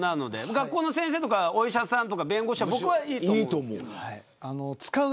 学校の先生やお医者さん弁護士は僕はいいと思う。